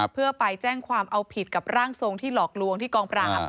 เพื่อไปแจ้งความเอาผิดกับร่างทรงที่หลอกลวงที่กองปราบ